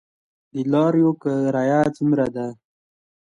د لاریو کرایه څومره ده؟